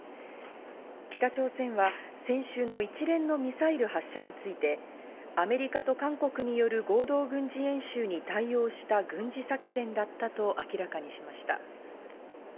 北朝鮮は先週の一連のミサイル発射についてアメリカと韓国による合同軍事演習に対応した軍事作戦だったと明らかにしました。